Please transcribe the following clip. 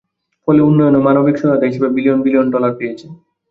ফলে উন্নয়ন ও মানবিক সহায়তা হিসেবে বিলিয়ন বিলিয়ন ডলার পেয়েছে।